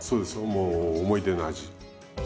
もう思い出の味。